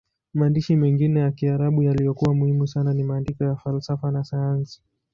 Maandishi mengine ya Kiarabu yaliyokuwa muhimu sana ni maandiko ya falsafa na sayansi.